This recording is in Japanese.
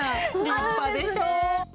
立派でしょ？